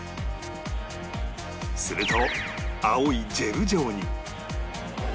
すると青いジェル状に